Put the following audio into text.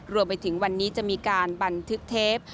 รวมไปถึงวันนี้จะมีการบันทึกเทป